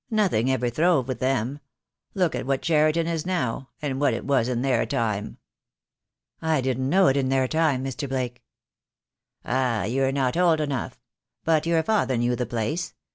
Nothing ever throve with them. Look at what Cheriton is now, and what it was in their time." "I didn't know it in their time, Mr. Blake." "Ah, you're not old enough; but your father knew the place.